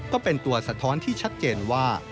ก็เป็นตัวสะท้อนที่ชัดเจนว่า